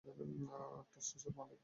টসটসে মাল একটা!